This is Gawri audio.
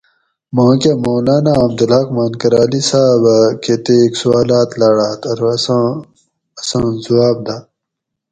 ماکہ مولانا عبدالحق مانکرالی صاۤب اۤ کتیک سوالاۤت لاڑاۤت ارو اساں زُواب داۤ